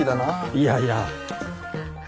いやいや。